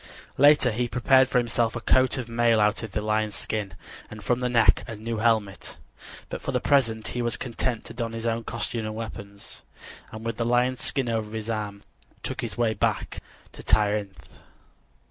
Later he prepared for himself a coat of mail out of the lion's skin, and from the neck, a new helmet; but for the present he was content to don his own costume and weapons, and with the lion's skin over his arm took his way back to Tirynth.